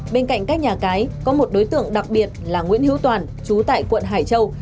bên cạnh các nhà cái có một đối tượng đặc biệt là nguyễn hữu toàn chú tại quận hải châu